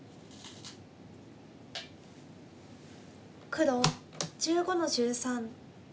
黒１５の十三。